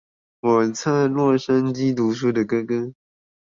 我在洛杉磯讀書的哥哥